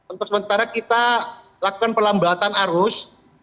untuk sementara kita lakukan pelambatan arus